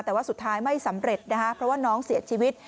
แต่ว่าสุดท้ายไม่สำเร็จนะคะเพราะว่าน้องเสียชีวิต